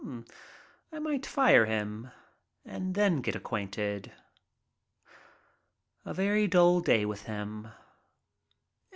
I might fire him and then get acquainted. A very dull day with him.